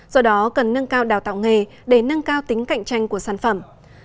do đó cần nâng cao đào tạo nghề để nâng cao tính cạnh tranh của sản phẩm